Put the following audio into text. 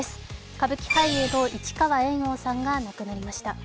歌舞伎俳優の市川猿翁さんが亡くなりました。